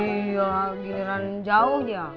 iya giliran jauhnya